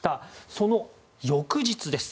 その翌日です。